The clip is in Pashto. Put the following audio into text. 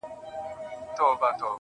نور به شاعره زه ته چوپ ووسو~